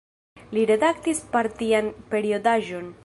Li redaktis partian periodaĵon.